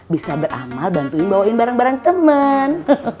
bisa beramal bantuin bawain barang barang teman